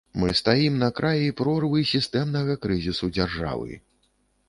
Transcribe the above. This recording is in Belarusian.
Мы стаім на краі прорвы сістэмнага крызісу дзяржавы.